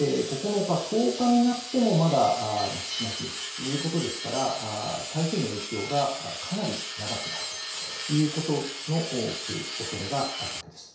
９日、１０日になってもまだ、対馬ということですから台風の影響がかなり長くなるということ、おそれがあるわけです。